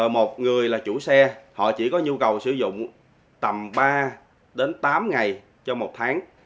một người là chủ xe họ chỉ có nhu cầu sử dụng tầm ba đến tám ngày trong một tháng